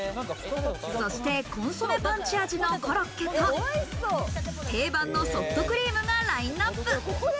そしてコンソメパンチ味のコロッケと、定番のソフトクリームがラインナップ。